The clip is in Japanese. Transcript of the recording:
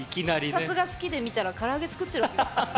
特撮が好きで見たら唐揚げ作ってるわけですからね。